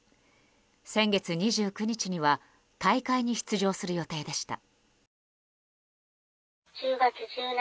先月２９日には大会に出場する予定でした。